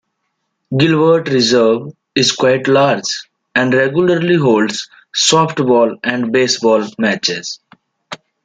Gilbert Reserve is quite large, and regularly holds softball and baseball matches.